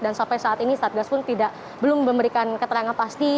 dan sampai saat ini satgas pun belum memberikan keterangan pasti